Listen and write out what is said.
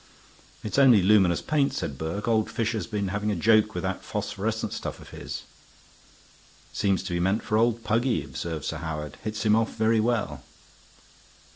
"It's only luminous paint," said Burke. "Old Fisher's been having a joke with that phosphorescent stuff of his." "Seems to be meant for old Puggy"' observed Sir Howard. "Hits him off very well."